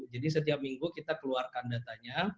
jadi setiap minggu kita keluarkan datanya